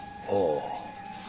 ああ。